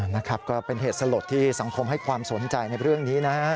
นะครับก็เป็นเหตุสลดที่สังคมให้ความสนใจในเรื่องนี้นะฮะ